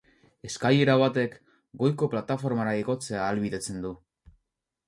Eskailera batek, goiko plataformara igotzea ahalbidetzen du.